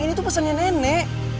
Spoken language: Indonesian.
ini tuh pesennya nenek